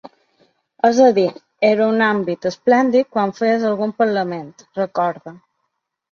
És a dir, era un àmbit esplèndid quan feies algun parlament, recorda.